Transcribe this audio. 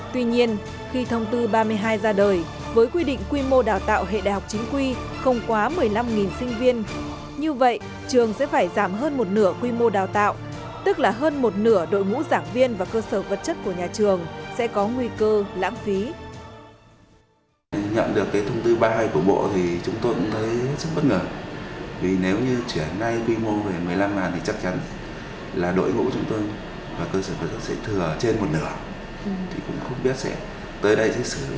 tuy nhiên khi thông tư ba mươi hai ra đời với quy định quy mô đào tạo hệ đại học chính quy không quá một mươi năm sinh viên như vậy trường sẽ phải giảm hơn một nửa quy mô đào tạo tức là hơn một nửa đội ngũ giảng viên và cơ sở vật chất của nhà trường sẽ có nguy cơ lãng phí